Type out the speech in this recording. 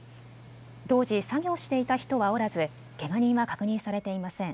当時、作業していた人はおらずけが人は確認されていません。